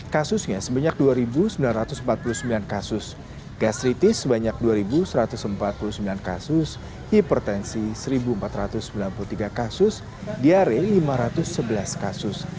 kasusnya sebanyak dua sembilan ratus empat puluh sembilan kasus gastritis sebanyak dua satu ratus empat puluh sembilan kasus hipertensi satu empat ratus sembilan puluh tiga kasus diare lima ratus sebelas kasus